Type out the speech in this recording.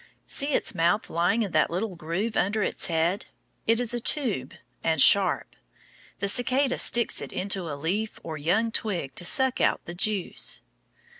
See its mouth lying in that little groove under its head. It is a tube, and sharp. The cicada sticks it into a leaf or young twig to suck out the juice.